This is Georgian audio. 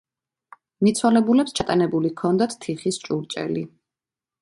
მიცვალებულებს ჩატანებული ჰქონდათ თიხის ჭურჭელი.